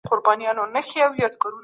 مطالعې ته د عادت په سترګه وګورئ.